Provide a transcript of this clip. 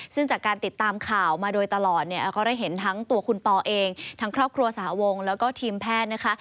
ซึ่งจากการติดตามข่าวมาโดยตลอดเนี่ยก็ได้เห็นทั้งตัวคุณปอเองทั้งครอบครัวสหวงแล้วก็ทีมแพทย์นะคะ